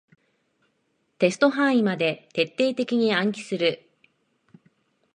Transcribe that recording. テスト範囲まで徹底的に暗記する